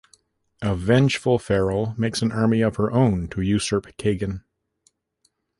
A vengeful Ferrill makes an army of her own to usurp Kagan.